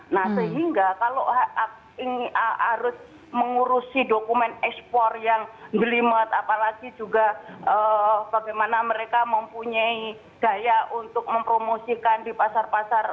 nah sehingga kalau harus mengurusi dokumen ekspor yang gelimat apalagi juga bagaimana mereka mempunyai daya untuk mempromosikan di pasar pasar